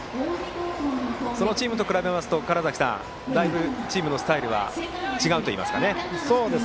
そのチームと比べますとだいぶチームのスタイルは違うといいますかね。